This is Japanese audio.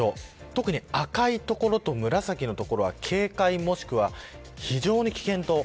特に赤い所と紫の所は警戒、もしくは非常に危険と。